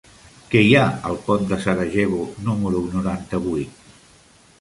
Què hi ha al pont de Sarajevo número noranta-vuit?